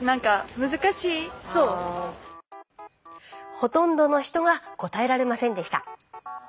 ほとんどの人が答えられませんでした。